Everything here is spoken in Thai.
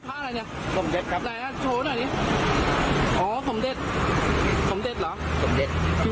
อาจจะตายก็ได้ที่รถไปกายเพราะผมก็งงไปห่วยหิน